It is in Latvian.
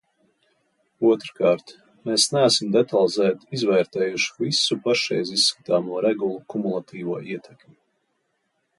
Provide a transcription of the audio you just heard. Otrkārt, mēs neesam detalizēti izvērtējuši visu pašreiz izskatāmo regulu kumulatīvo ietekmi.